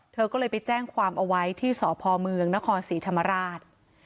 เธอก็เลยไปแจ้งความเอาไว้ที่สพเมืองนครศรีธรรมราช